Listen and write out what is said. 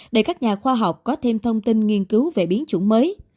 để các nhà khoa học có thêm thông tin nghiên cứu về biến chủng mới